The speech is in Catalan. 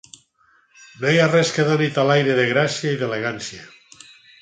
No hi ha res que doni tal aire de gràcia i d'elegància.